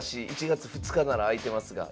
１月２日なら空いてますが」。